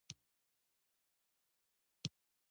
شاګرد بل کتاب لوستی.